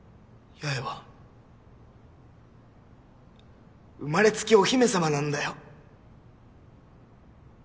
八重は生まれつきお姫様なんだよ。